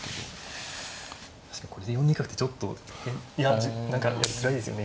確かにこれで４二角ってちょっと変何かやりづらいですよね